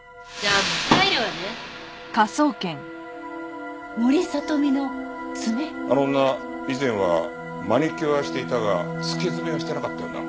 あの女以前はマニキュアはしていたが付け爪はしてなかったよな？